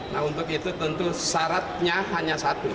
nah untuk itu tentu syaratnya hanya satu